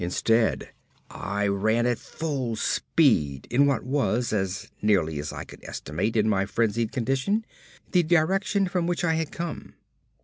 Instead, I ran at full speed in what was, as nearly as I could estimate in my frenzied condition, the direction from which I had come.